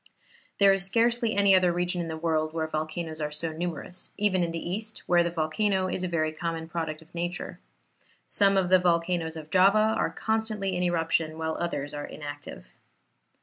There is scarcely any other region in the world where volcanoes are so numerous, even in the East, where the volcano is a very common product of nature. Some of the volcanoes of Java are constantly in eruption, while others are inactive.